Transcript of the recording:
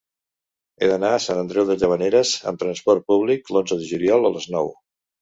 He d'anar a Sant Andreu de Llavaneres amb trasport públic l'onze de juliol a les nou.